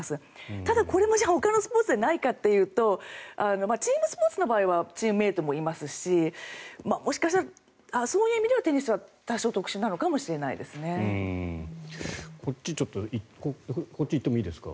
ただ、これもほかのスポーツでないかというとチームスポーツの場合はチームメートもいますしもしかしたら、そういう意味ではテニスは多少特殊なのかもしれないですね。